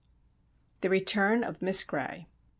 THE RETURN OF MISS GRAY.